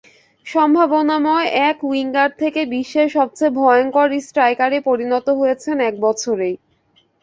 সম্ভাবনাময় এক উইঙ্গার থেকে বিশ্বের সবচেয়ে ভয়ংকর স্ট্রাইকারে পরিণত হয়েছেন এক বছরেই।